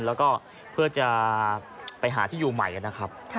แล้วก็เพื่อจะไปหาที่อยู่ใหม่นะครับ